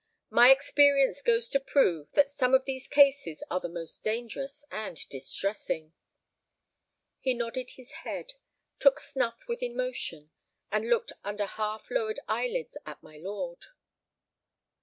My experience goes to prove that some of these cases are the most dangerous and distressing." He nodded his head, took snuff with emotion, and looked under half lowered eyelids at my lord.